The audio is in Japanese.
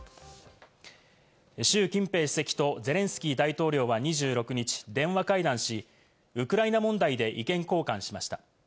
シュウ・キンペイ主席とゼレンスキー大統領は２６日、電話会談し、ウクライナ問題で意見交換しました。